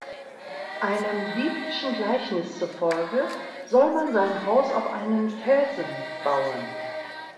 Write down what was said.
Einem biblischen Gleichnis zufolge soll man sein Haus auf einen Felsen bauen.